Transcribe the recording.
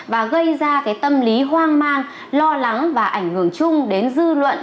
và gây ra tâm lý hoang mang lo lắng và ảnh hưởng chung đến dư luận